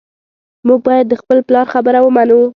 موږ باید د خپل پلار خبره ومنو